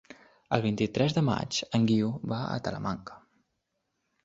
El vint-i-tres de maig en Guiu va a Talamanca.